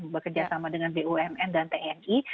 bekerja sama dengan bumn dan tni